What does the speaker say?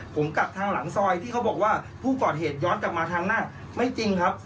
ผมกลับทางหลังซอยที่เขาบอกว่าผู้ก่อเหตุย้อนกลับมาทางหน้าไม่จริงครับ